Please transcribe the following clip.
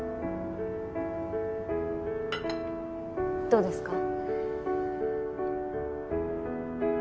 どうですか？